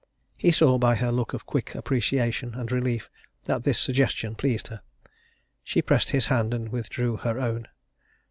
He saw by her look of quick appreciation and relief that this suggestion pleased her. She pressed his hand and withdrew her own.